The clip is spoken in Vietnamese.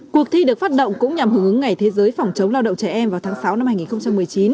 cuộc thi được phát động cũng nhằm hưởng ứng ngày thế giới phòng chống lao động trẻ em vào tháng sáu năm hai nghìn một mươi chín